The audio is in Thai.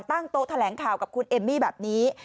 ตั้งโต๊ะแถลงข่าวกับคุณเอมมี่แบบนี้